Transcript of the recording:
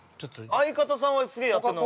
◆相方さんはすげえやってるのは。